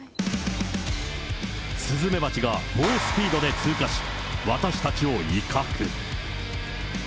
スズメバチが猛スピードで通過し、私たちを威嚇。